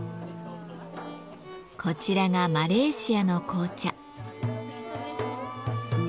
こちらがマレーシアの紅茶。